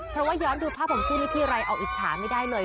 เพราะว่าย้อนดูภาพของคู่นี้ทีไรเอาอิจฉาไม่ได้เลย